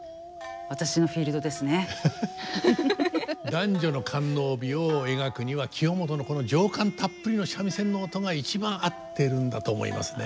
男女の官能美を描くには清元のこの情感たっぷりの三味線の音が一番合ってるんだと思いますね。